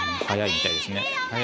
速いですね。